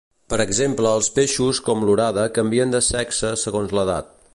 Per exemple els peixos com l'orada canvien de sexe segons l'edat.